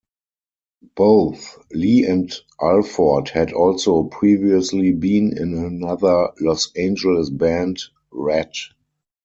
Both Lee and Alford had also previously been in another Los Angeles band, Ratt.